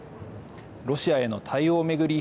ロシアへの対応を巡り